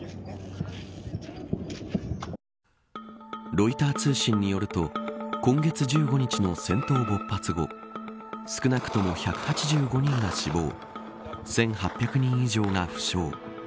ロイター通信によると今月１５日の戦闘勃発後少なくとも、１８５人が死亡１８００人以上が負傷。